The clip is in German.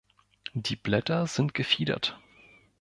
Die Blätter sind gefiedert.